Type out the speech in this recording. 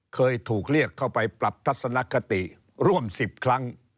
เคยถูกเรียกเข้าไปปรับทัศนคติร่วม๑๐ครั้ง